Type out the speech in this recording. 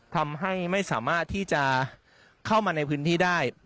ทำให้ไม่สามารถที่จะเข้ามาในพื้นที่ได้